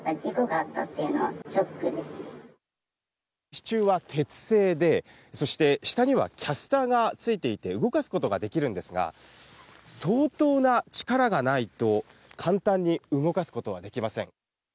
支柱は鉄製で、そして下にはキャスターがついていて動かすことができるんですが相当な力がないと簡単に動かすことはできません。